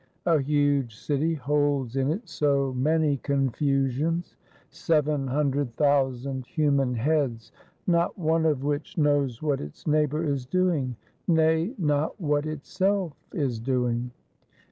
A huge city holds in it so many confusions; seven hundred thousand human heads; not one of which knows what its neighbor is doing, nay, not what itself is doing.